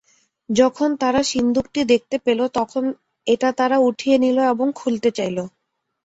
যখন তারা সিন্দুকটি দেখতে পেল, তখন এটা তারা উঠিয়ে নিল এবং খুলতে চাইল।